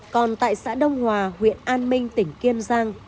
còn tại xã đông hòa huyện an minh tỉnh kiên giang